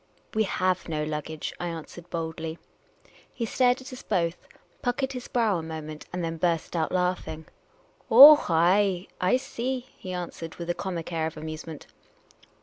" We have no luggage," I answered boldly. He stared at us both, puckered his brow a moment, and then burst out laughing. " Oh, ay, I see," he answered, with a comic air of amusement.